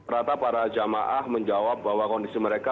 rata para jamaah menjawab bahwa kondisi mereka